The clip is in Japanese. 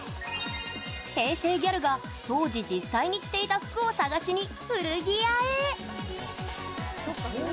平成ギャルが当時、実際に着ていた服を探しに古着屋へ。